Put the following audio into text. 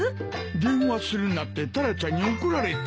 電話するなってタラちゃんに怒られた。